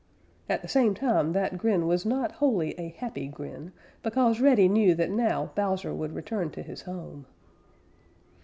At the same time that grin was not wholly a happy grin, because Reddy knew that now Bowser would return to his home.